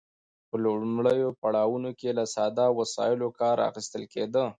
په لومړیو پړاوونو کې له ساده وسایلو کار اخیستل کیده.